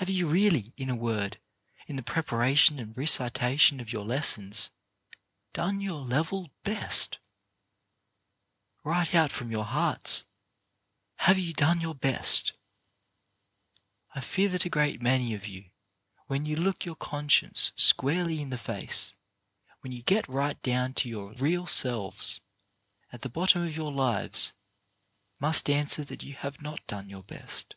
Have you really, in a word, in the preparation and recitation of your lessons, done your level best ? Right out from your hearts, have you done your best ? I fear that a great many of you, when you look your conscience squarely in the face, when you get right down to your real selves, at the bottom of your lives, must answer that you have not done your best.